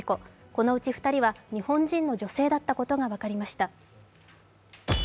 このうち２人は日本人の女性だったことが分かりました。